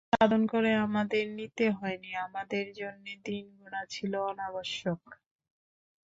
সাধন করে আমাদের নিতে হয় নি, আমাদের জন্যে দিন-গোনা ছিল অনাবশ্যক।